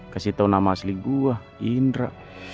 memberitahu nama asli saya indra